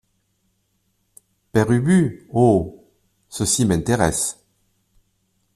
Père Ubu Oh ! ceci m’intéresse.